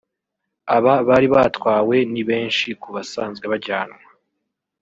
Aba bari batwawe ni benshi ku basanzwe bajyanwa